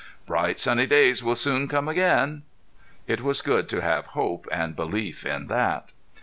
"Bright sunny days will soon come again!" It was good to have hope and belief in that.